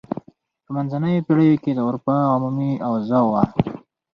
په منځنیو پیړیو کې د اروپا عمومي اوضاع وه.